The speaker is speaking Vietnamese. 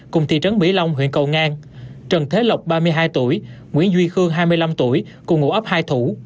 cùng thị trấn mỹ long huyện cầu ngang trần thế lộc ba mươi hai tuổi nguyễn duy khương hai mươi năm tuổi cùng ngụ ấp hai thủ